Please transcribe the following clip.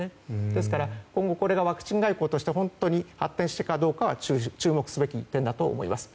ですから今後ワクチン外交として発展するかどうかは注目すべき点だと思います。